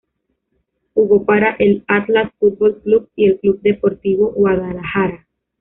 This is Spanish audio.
Jugó para el Atlas Fútbol Club y el Club Deportivo Guadalajara.